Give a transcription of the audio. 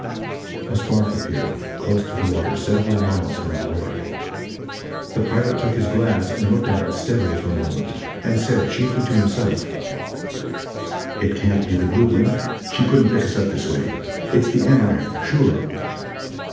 A spark appeared, close to the water, several miles down the river. The pilot took his glass and looked at it steadily for a moment, and said, chiefly to himself: "It can't be the Blue Wing. She couldn't pick us up this way. It's the Amaranth, sure!"